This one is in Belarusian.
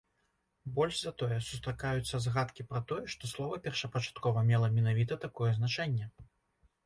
Больш за тое, сустракаюцца згадкі пра тое, што слова першапачаткова мела менавіта такое значэнне.